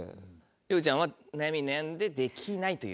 里帆ちゃんは悩みに悩んで「できない」という。